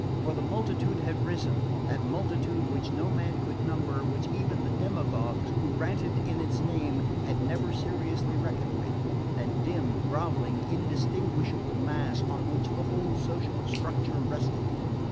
For the multitude had risen that multitude which no man could number, which even the demagogues who ranted in its name had never seriously reckoned with that dim, grovelling indistinguishable mass on which the whole social structure rested.